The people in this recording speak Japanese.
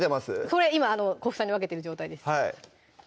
それ今小房に分けてる状態です